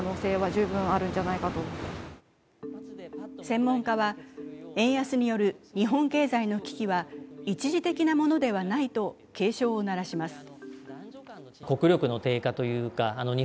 専門家は円安による日本経済の危機は一時的なものではないと警鐘を鳴らします。